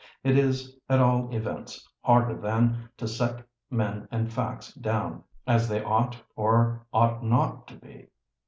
It is, at all events, harder than to set men and facts down, as they ought, or ought not to be.